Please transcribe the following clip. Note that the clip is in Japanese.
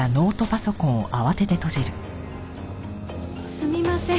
すみません。